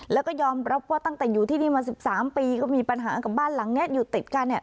แล้วก็ยอมรับว่าตั้งแต่อยู่ที่นี่มา๑๓ปีก็มีปัญหากับบ้านหลังนี้อยู่ติดกัน